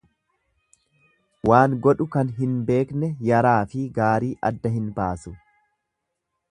Waan godhu kan hin beekne yaraafi gaarii adda hin baasu.